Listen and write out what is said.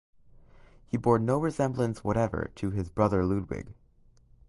He bore no resemblance whatever to his brother Ludwig.